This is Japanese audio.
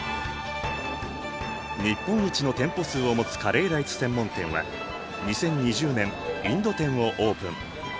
日本一の店舗数を持つカレーライス専門店は２０２０年インド店をオープン。